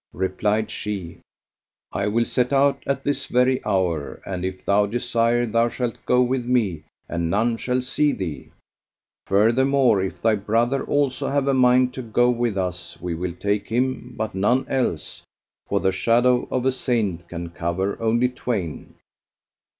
Replied she, "I will set out at this very hour and, if thou desire, thou shalt go with me and none shall see thee. Furthermore if thy brother also have a mind to go with us we will take him, but none else; for the shadow of a saint can cover only twain."